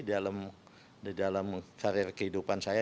di dalam karir kehidupan saya